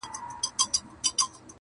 راسه چي دي حسن ته جامې د غزل وا غوندم,